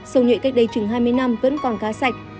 sông nhuệ cách đây chừng hai mươi năm vẫn còn cá sạch